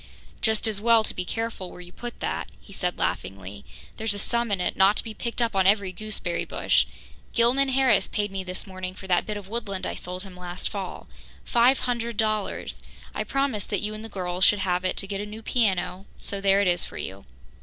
"Just as well to be careful where you put that," he said laughingly. "There's a sum in it not to be picked up on every gooseberry bush. Gilman Harris paid me this morning for that bit of woodland I sold him last fall five hundred dollars. I promised that you and the girls should have it to get a new piano, so there it is for you."